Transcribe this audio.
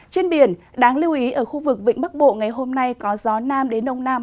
trên biển đáng lưu ý ở khu vực vịnh bắc bộ ngày hôm nay có gió nam đến đông nam